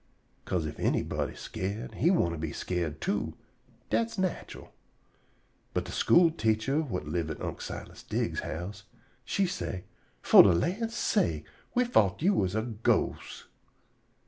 'Ca'se ef anybody skeered, he want to be skeered, too. Dat's natural. But de school teacher, whut live at Unc' Silas Diggs's house, she say: "Fo' de lan's sake, we fought you was a ghost!"